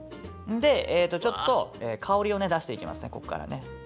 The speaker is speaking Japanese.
んでちょっと香りを出していきますねこっからね。